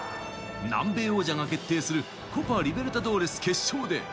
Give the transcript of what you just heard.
南米王者が決定するコパ・リベルタドーレス決勝で。